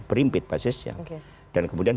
berimpit basisnya dan kemudian